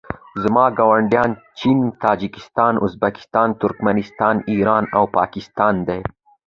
زما ګاونډیان چین تاجکستان ازبکستان ترکنستان ایران او پاکستان دي